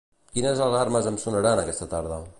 Quines alarmes em sonaran aquesta tarda?